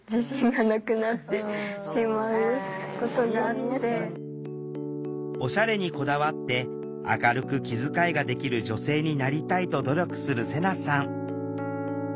私もおしゃれにこだわって明るく気遣いができる女性になりたいと努力するセナさん。